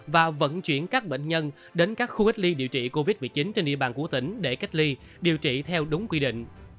và vận chuyển các bệnh nhân đến các khu cách ly điều trị covid một mươi chín trên địa bàn của tỉnh để cách ly điều trị theo đúng quy định